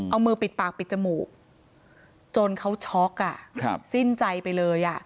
เอามือปิดปากปิดจมูกจนเขาช็อกอ่ะครับสิ้นใจไปเลยอ่ะ